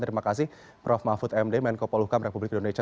terima kasih prof mahfud md menko polukam republik indonesia